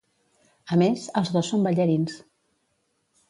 A més, els dos són ballarins.